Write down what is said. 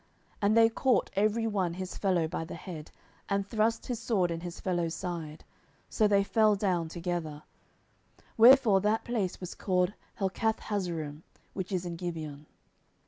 10:002:016 And they caught every one his fellow by the head, and thrust his sword in his fellow's side; so they fell down together: wherefore that place was called Helkathhazzurim, which is in Gibeon.